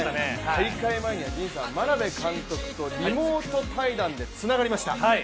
大会前には陣さん、眞鍋監督とリモート対談でつながりました。